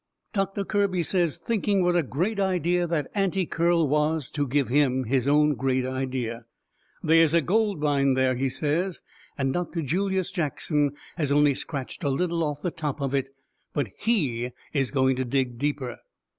Doctor Kirby says thinking what a great idea that Anti Curl was give him his own great idea. They is a gold mine there, he says, and Dr. Julius Jackson has only scratched a little off the top of it, but HE is going to dig deeper.